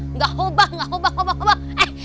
enggak hobah enggak hobah hobah hobah